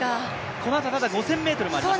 このあと５０００ｍもあります。